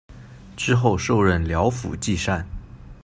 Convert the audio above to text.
之后授任辽府纪善。